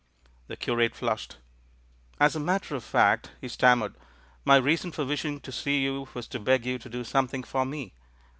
The curate flushed. "As a matter of fact," he stammered, "my reason for wishing to see you was to beg you to do something for me.